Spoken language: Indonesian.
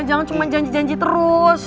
jangan cuma janji janji terus